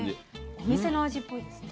お店の味っぽいですね。